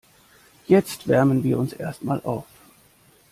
Jetzt wärmen wir uns erst mal auf.